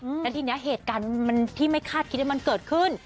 แล้วทีเนี้ยเหตุการณ์มันที่ไม่คาดคิดว่ามันเกิดขึ้น